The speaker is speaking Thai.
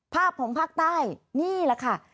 ภาพของภาคใต้นี่แหละค่ะ